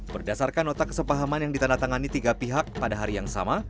berdasarkan nota kesepahaman yang ditandatangani tiga pihak pada hari yang sama